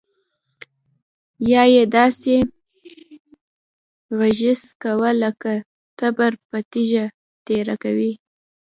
سا يې داسې غژس کوه لک تبر په تيږه تېره کوې.